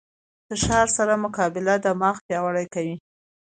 فشار سره مقابله دماغ پیاوړی کوي.